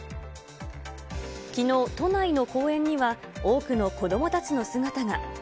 きのう、都内の公園には多くの子どもたちの姿が。